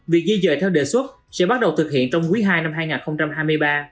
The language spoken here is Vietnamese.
việc di dời theo đề xuất sẽ bắt đầu thực hiện trong quý ii năm hai nghìn hai mươi ba